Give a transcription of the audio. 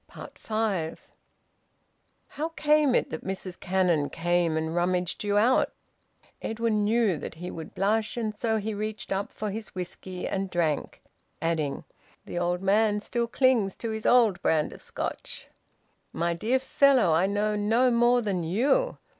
FIVE. "How came it that Mrs Cannon came and rummaged you out?" Edwin knew that he would blush, and so he reached up for his whisky, and drank, adding: "The old man still clings to his old brand of Scotch." "My dear fellow, I know no more than you.